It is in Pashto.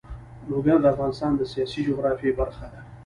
لوگر د افغانستان د سیاسي جغرافیه برخه ده.